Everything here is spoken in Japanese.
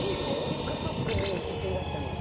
ＴｉｋＴｏｋにすっぴん出してます